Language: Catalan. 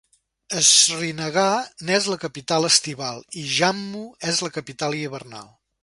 Srinagar n'és la capital estival, i Jammu és la capital hivernal.